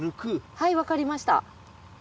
はいわかりました。